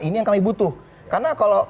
ini yang kami butuh karena kalau